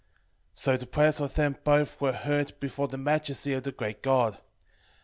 3:16 So the prayers of them both were heard before the majesty of the great God.